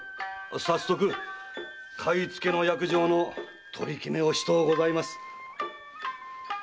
早速買い付けの約定の取り決めをしとうございます。